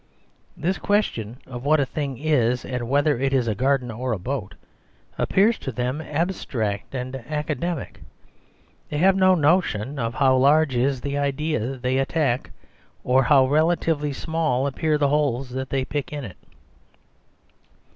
This question The Superstition of Divorce 15 of what a thing is, and whether it is a garden or a boat, appears to them abstract and aca demic. They have no notion of how large is the idea they attack; or how relatively small appear the holes that they pick in it.